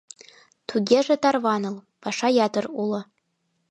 — Тугеже тарваныл, паша ятыр уло.